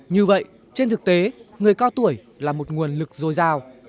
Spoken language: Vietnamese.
như vậy trên thực tế người cao tuổi là một nguồn lực dồi dào